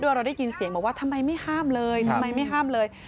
เพราะเราได้ยินเสียงบอกว่าทำไมไม่ห้ามเลย